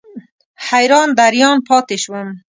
حیران دریان پاتې شوم.